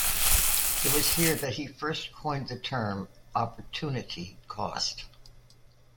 It was here that he first coined the term opportunity cost.